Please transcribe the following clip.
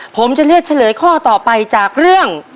ผมจะเลือกเฉลยข้อต่อไปจากเรื่อง